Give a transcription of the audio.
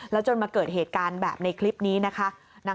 จนมาเกิดเหตุการณ์แบบในคลิปนี้นะคะ